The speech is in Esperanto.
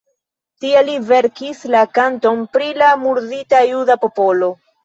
Tie li verkis la "Kanton pri la murdita juda popolo".